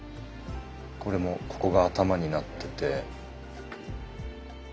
これもここが頭になってて。